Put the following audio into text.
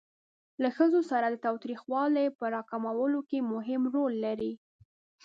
له ښځو سره د تاوتریخوالي په را کمولو کې مهم رول لري.